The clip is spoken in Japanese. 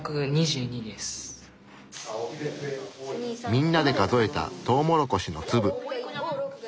みんなで数えたトウモロコシの粒。